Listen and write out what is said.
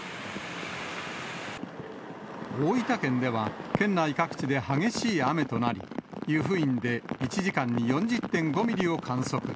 大分県では県内各地で激しい雨となり、湯布院で１時間に４０．５ミリを観測。